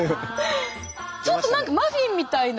ちょっと何かマフィンみたいな。